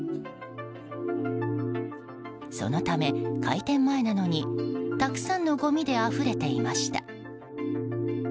そのため、開店前なのにたくさんのごみであふれていました。